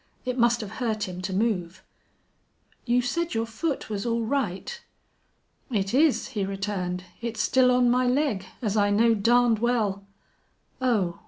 It must have hurt him to move. "You said your foot was all right." "It is," he returned. "It's still on my leg, as I know darned well." "Oh!"